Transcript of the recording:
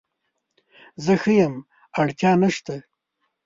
زه ښه یم اړتیا نشته